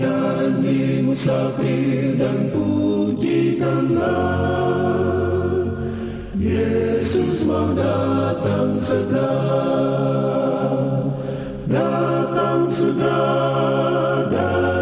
datang sedang datang sedang